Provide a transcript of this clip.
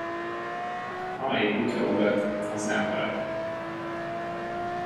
Amelyik kutya ugat, az nem harap.